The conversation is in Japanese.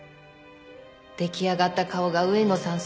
できあがった顔が上野さん